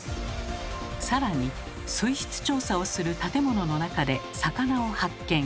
更に水質調査をする建物の中で魚を発見。